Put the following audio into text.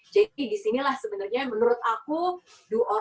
jadi di sinilah sebenarnya menurut aku do or don't